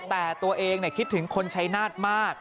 แต่ตัวเองคิดถึงคนชัยนาธมาก